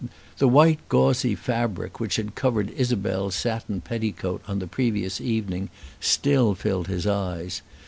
The white gauzy fabric which had covered Isabel's satin petticoat on the previous evening still filled his eyes.